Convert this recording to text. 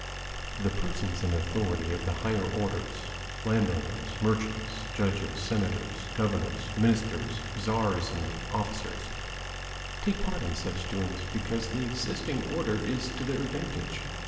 The persons in authority of the higher orders landowners, merchants, judges, senators, governors, ministers, tzars, and officers take part in such doings because the existing order is to their advantage.